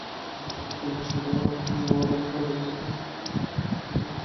এই চ্যাম্পিয়নশিপটি বর্তমানে "র" ব্র্যান্ডের অধীনে রয়েছে।